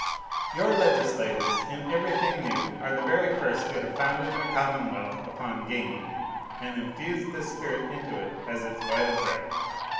Your legislators, in everything new, are the very first who have founded a commonwealth upon gaming, and infused this spirit into it as its vital breath.